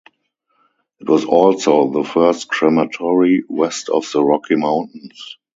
It was also the first crematory west of the Rocky Mountains.